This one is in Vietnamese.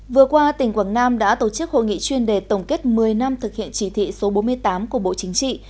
vừa qua tỉnh quảng nam đã tổ chức hội nghị chuyên đề tổng kết một mươi năm thực hiện chỉ thị số bốn mươi tám của bộ chính trị